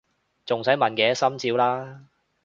仲使問嘅！心照啦！